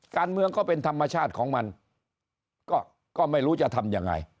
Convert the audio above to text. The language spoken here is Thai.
การเมืองก็เป็นธรรมชาติของมันก็ไม่รู้จะทำยังไง